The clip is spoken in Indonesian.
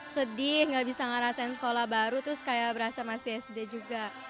sedih gak bisa ngerasain sekolah baru terus kayak berasa masih sd juga